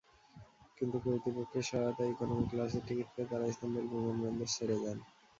কিন্তু কর্তৃপক্ষের সহায়তায় ইকোনমি ক্লাসের টিকিট পেয়ে তাঁরা ইস্তাম্বুল বিমানবন্দর ছেড়ে যান।